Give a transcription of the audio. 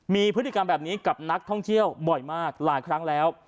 มีพฤติกรรมแบบนี้กับนักท่องเที่ยวบ่อยมากหลายครั้งแล้ว